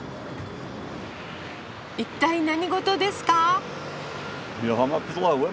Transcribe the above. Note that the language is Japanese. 一体何事ですか？